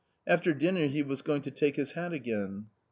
After dinner he was going to take his hat again.